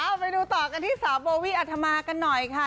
เอาไปดูต่อกันที่สาวโบวี่อัธมากันหน่อยค่ะ